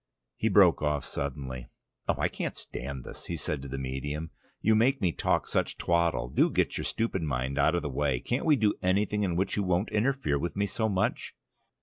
He broke off suddenly. "Oh, I can't stand this," he said to the medium. "You make me talk such twaddle. Do get your stupid mind out of the way. Can't we do anything in which you won't interfere with me so much?"